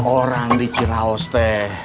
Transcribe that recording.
orang di cirahos teh